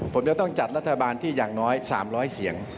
ผมจะต้องจัดรัฐบาลที่อย่างน้อย๓๐๐เสียง